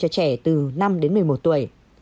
cho trẻ từ năm một mươi một tuổi